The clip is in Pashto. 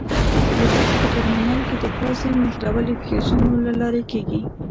د بکس په ټرمینل کې د فاز سیم نښلول د فیوزونو له لارې کېږي.